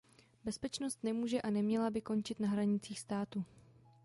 Bezpečnost nemůže a neměla by končit na hranicích státu.